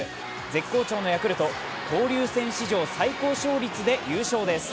絶好調のヤクルト、交流戦史上最高勝率で優勝です。